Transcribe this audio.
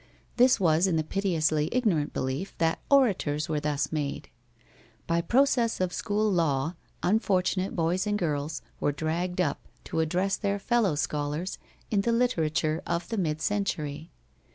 This was in the piteously ignorant belief that orators were thus made. By process of school law, unfortunate boys and girls were dragged up to address their fellow scholars in the literature of the mid century.